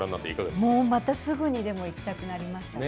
またすぐにでも行きたくなりましたね。